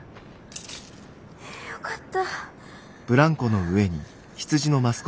よかった。